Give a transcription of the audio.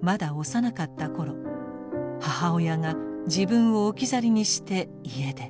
まだ幼かった頃母親が自分を置き去りにして家出。